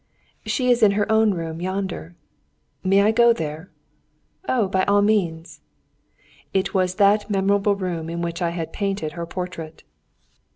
"She is in her own room, yonder." "May I go there?" "Oh, by all means!" It was that memorable room in which I had painted her portrait.